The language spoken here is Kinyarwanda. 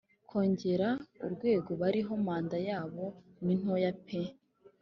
Kongera urwego bariho Manda yabo ni ntoya pe